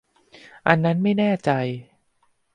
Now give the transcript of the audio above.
อันนั้นไม่แน่ใจ